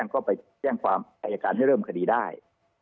ก็ไปแจ้งความแถมไอ้การที่เริ่มคดีได้